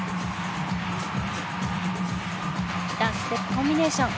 ダンスステップコンビネーション。